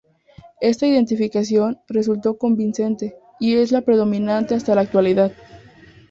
Esta identificación resultó convincente, y es la predominante hasta la actualidad.